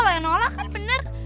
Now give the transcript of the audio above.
loh yang nolak kan bener